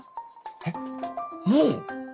えっもう？